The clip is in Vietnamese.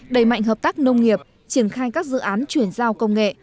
đẩy mạnh hợp tác nông nghiệp triển khai các dự án chuyển giao công nghệ